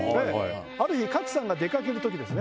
ある日勝さんが出掛ける時ですね